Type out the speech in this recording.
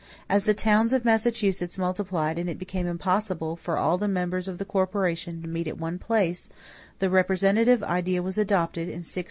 As the towns of Massachusetts multiplied and it became impossible for all the members of the corporation to meet at one place, the representative idea was adopted, in 1633.